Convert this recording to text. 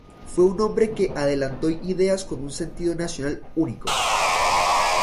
Fue un hombre que adelantó ideas con un sentido nacional único.